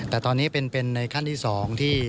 แต่ตอนนี้เป็นในขั้นที่๒ที่